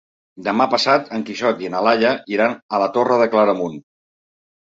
Demà passat en Quixot i na Laia iran a la Torre de Claramunt.